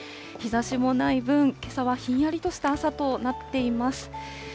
日ざしもない分、けさはひんやりとした朝となっています。